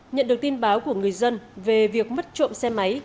nhận được tin báo của người dân về việc mất trộm xe máy